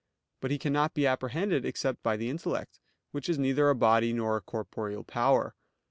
But He cannot be apprehended except by the intellect, which is neither a body nor a corporeal power.